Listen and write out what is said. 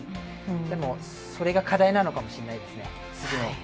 でもそれが課題なのかもしれないですね、次の。